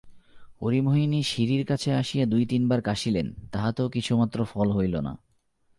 হরিমোহিনী সিঁড়ির কাছে আসিয়া দুই-তিন বার কাশিলেন, তাহাতেও কিছুমাত্র ফল হইল না।